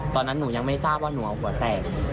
ตอนนั้นหนูยังไม่ทราบว่าหนูเอาหัวแตก